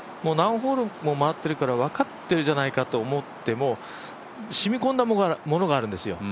何ホールも回ってるから分かってるじゃないかと思ってもしみこんだものがあるんですよ。